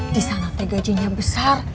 disana te gajinya besar